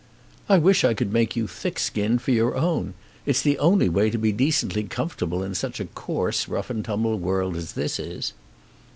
"I wish I could make you thick skinned for your own. It's the only way to be decently comfortable in such a coarse, rough and tumble world as this is."